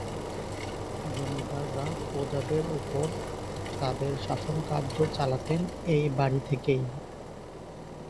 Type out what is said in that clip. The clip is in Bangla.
জমিদাররা প্রজাদের উপর তাদের শাসনকার্য চালাতেন এই বাড়ি থেকেই।